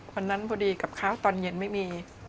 วันนั้นพอดีกับข้าวตอนเย็นไม่มี